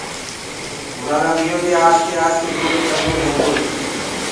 اُرآ رنڀيو دي آستي آستي گُڏ ڪردو ريندوئي